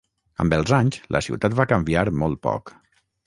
Amb els anys la ciutat va canviar molt poc.